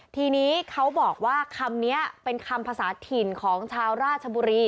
ทีนี้เขาบอกว่าคำนี้เป็นคำภาษาถิ่นของชาวราชบุรี